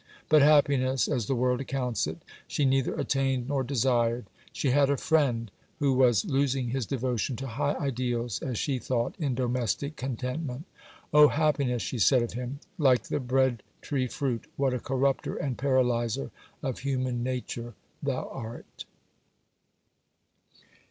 But happiness, as the world accounts it, she neither attained nor desired. She had a friend who was losing his devotion to high ideals, as she thought, in domestic contentment. "O Happiness," she said of him, "like the bread tree fruit, what a corrupter and paralyser of human nature thou art!"